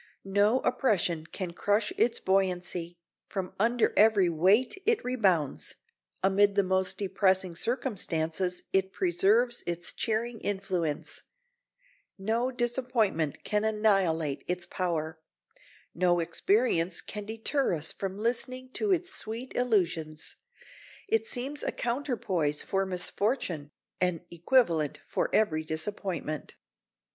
No oppression can crush its buoyancy; from under every weight it rebounds; amid the most depressing circumstances it preserves its cheering influence; no disappointment can annihilate its power; no experience can deter us from listening to its sweet illusions; it seems a counterpoise for misfortune, an equivalent for every disappointment.